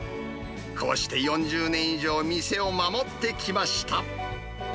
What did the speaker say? こうして４０年以上、店を守ってきました。